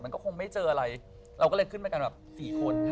มันก็คงไม่เจออะไร